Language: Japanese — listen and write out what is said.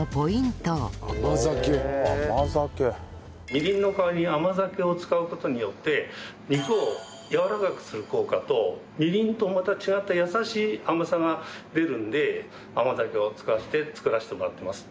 みりんの代わりに甘酒を使う事によって肉をやわらかくする効果とみりんとまた違った優しい甘さが出るので甘酒を使わせて作らせてもらってます。